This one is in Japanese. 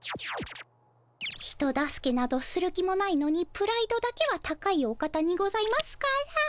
人助けなどする気もないのにプライドだけは高いお方にございますから。